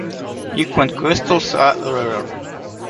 Equant crystals are rarer.